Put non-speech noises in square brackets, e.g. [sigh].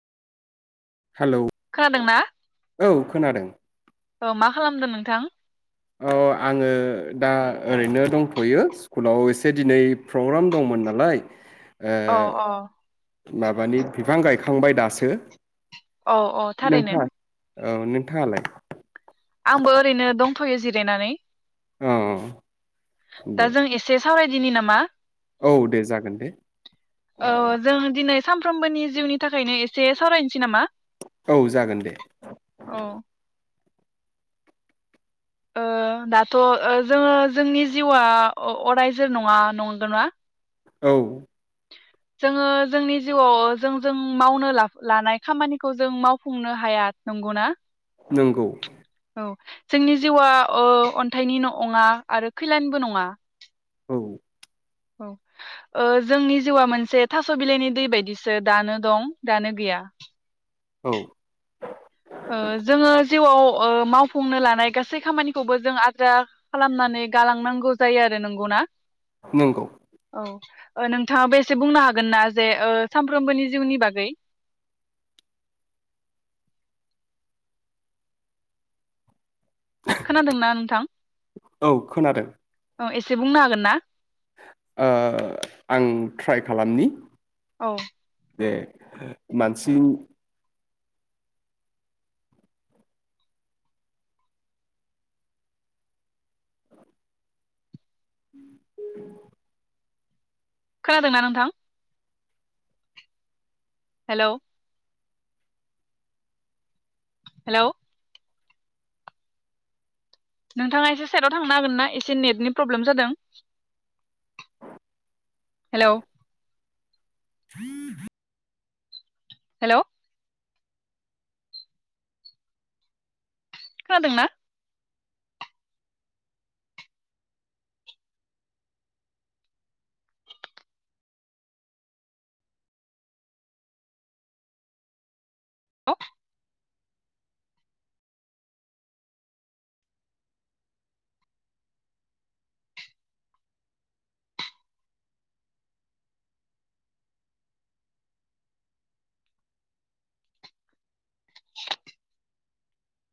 Hello खोनादोंना औ खोनादों औ मा खालामदों नों। थां। अ आङो दा ओरैनो दंथ'यो स्कुलाव एसे दिनै प्रग्राम दंमोन नालाय। ओ अ अ। माबानि बिफां गायखांबाय दासो। औ औ थारैनो। नोंथाङा औ नोंथाङालाय। आंबो ओरैनो दंथ'यो जिरायनानै। औ दा दे जों एसे सावरायदिनि नामा। औ दे जागोन दे औ जों दिनै सामफ्रोमबोनि जिउनि थाखायनो एसे सावरायनोसै नामा। औ जागोन दे। औ ओ दाथ' ओ जोङो जोंनि जिउआ अरायजोर नङा नंगौ ना। औ। जोंङो जोंनि जिउआव जों-जों मावनो लानाय खामानिखौ जों मावफुंनो हाया नंगौ ना नोंगौ। जोंनि जिउआ अन्थाइनि नङा आरो खैलनिबो नङा। औ ओ जोंनि जिउआ मोनसे थास' बिलाइनि दै बायदिसो दानो दं दानो गैया औ ओ जोङो जिउआव मावफुंनो लानाय गासै खामानिखौबो जों आद्रा खालामनानै गालांनांगौ जायो आरो नंगौना? नंगौ औ ओ नोंथाङाबो एसे बुंनो हागोन ना जे सानफ्रोमबोनि जिउनि बागै खोनादोंना नोंथां। औ खोनादों। औ एसे बुंनो हागोन ना? ओ आं ट्राइ खालामनि औ जे मानसि [inaudible] खोनादोंना नोंथां। हेल' हेल' नोंथाङा एसे साइडआव थांनो हागोन ना एसे नेटनि प्रब्लेम जादों हेल' [unintelligible] हेल' खादोंना। औ